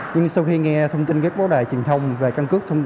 nhưng sau khi nghe thông tin các báo đài truyền thông về căn cứ